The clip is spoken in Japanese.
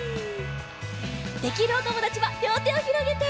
できるおともだちはりょうてをひろげて！